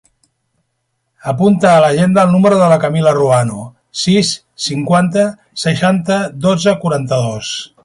Apunta a l'agenda el número de la Camila Ruano: sis, cinquanta, seixanta, dotze, quaranta-dos.